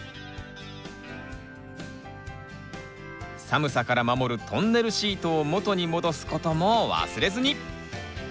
寒さから守るトンネルシートを元に戻す事も忘れずに！